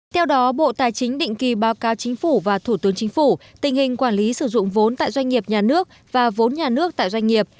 theo đó bộ tài chính định kỳ báo cáo chính phủ và thủ tướng chính phủ tình hình quản lý sử dụng vốn tại doanh nghiệp nhà nước và vốn nhà nước tại doanh nghiệp